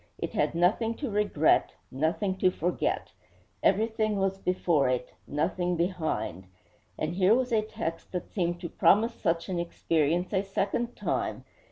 It had nothing to regret, nothing to forget. Everything was before it; nothing behind. And here was a text that seemed to promise such an experience a second time!